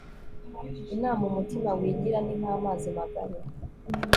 inama umutima wigira ni nk'amazi magari